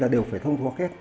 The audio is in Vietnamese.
đều phải thông báo hết